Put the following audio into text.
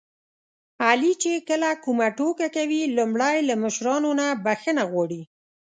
علي چې کله کومه ټوکه کوي لومړی له مشرانو نه بښنه غواړي.